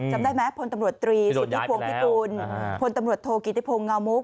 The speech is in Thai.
จำได้ไหมพลตำรวจตรีสุทธิพวงพิกุลพลตำรวจโทกิติพงเงามุก